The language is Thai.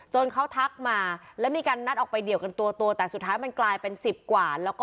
จนเขาทักมาและมีการนัดออกไปเดี่ยวกันตัวแต่สุน้ำจำเป็นกลายเป็นสิบหว่า